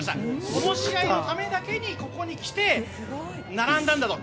この試合のためだけにここに来て並んだんだと。